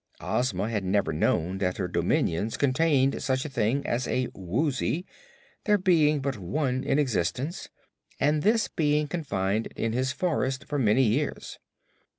Ozma had never known that her dominions contained such a thing as a Woozy, there being but one in existence and this being confined in his forest for many years.